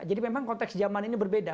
jadi memang konteks zaman ini berbeda